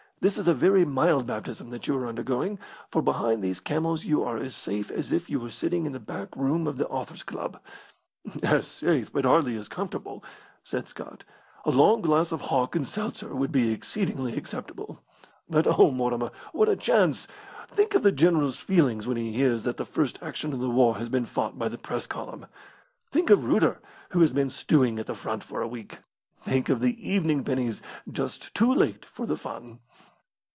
This is a very mild baptism that you are undergoing, for behind these camels you are as safe as if you were sitting in the back room of the Authors' Club." "As safe, but hardly as comfortable," said Scott. "A long glass of hock and seltzer would be exceedingly acceptable. But oh, Mortimer, what a chance! Think of the general's feelings when he hears that the first action of the war has been fought by the Press column. Think of Reuter, who has been stewing at the front for a week! Think of the evening pennies just too late for the fun.